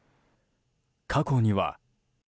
過去には。